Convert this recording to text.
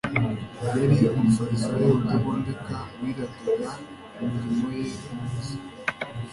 Yari umufarisayo utagondeka, wirataga imirimo ye myiza.